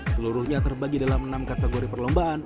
seluruhnya terbagi dalam enam kategori perlombaan